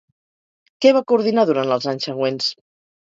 Què va coordinar durant els anys següents?